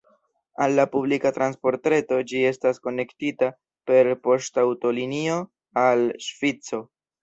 Al la publika transportreto ĝi estas konektita per poŝtaŭtolinio al Ŝvico.